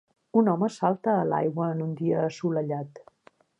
Un home salta a l'aigua en un dia assolellat.